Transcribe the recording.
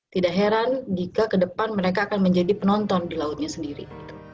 tidak heran jika ke depan mereka akan menjadi penonton di lautnya sendiri